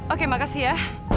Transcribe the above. oke makasih ya